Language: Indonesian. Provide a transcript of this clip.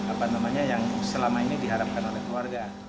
apa namanya yang selama ini diharapkan oleh keluarga